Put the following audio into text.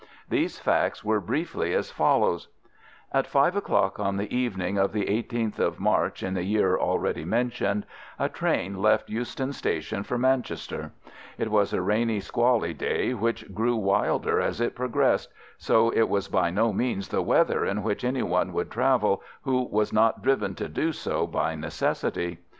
These facts were briefly as follows:— At five o'clock on the evening of the 18th of March in the year already mentioned a train left Euston Station for Manchester. It was a rainy, squally day, which grew wilder as it progressed, so it was by no means the weather in which any one would travel who was not driven to do so by necessity.